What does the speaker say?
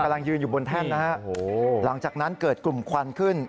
กำลังยืนอยู่บนแท่นนะฮะหลังจากนั้นเกิดกลุ่มควันขึ้น